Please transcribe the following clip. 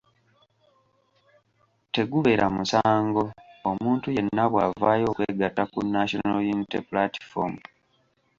Tegubeera musango omuntu yenna bw'avaayo okwegatta ku National Unity Platform.